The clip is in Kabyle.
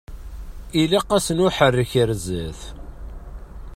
Ilaq-asen uḥerrek ar zdat.